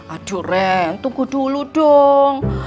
aduh ren tunggu dulu dong